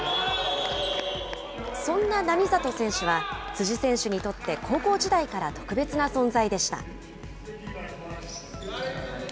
そんな並里選手は、辻選手にとって高校時代から特別な存在でした。